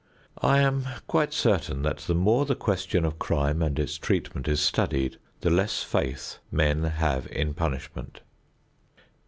I am quite certain that the more the question of crime and its treatment is studied the less faith men have in punishment.